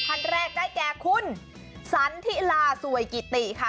ท่านแรกได้แก่คุณสันทิลาสวยกิติค่ะ